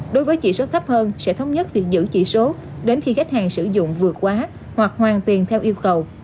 đối với chỉ số thấp hơn sẽ thống nhất việc giữ chỉ số đến khi khách hàng sử dụng vượt quá hoặc hoàn tiền theo yêu cầu